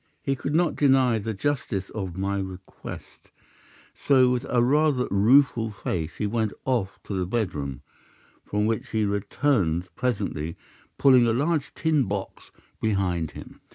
He could not deny the justice of my request, so with a rather rueful face he went off to his bedroom, from which he returned presently pulling a large tin box behind him.